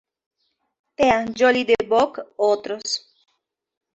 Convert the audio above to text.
Tea, Jolie de Vogue, otros.